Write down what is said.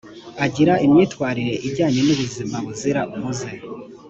agira imyifatire ijyanye n’ubuzima buzira umuze